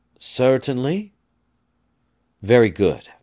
"Certainly." "Very good.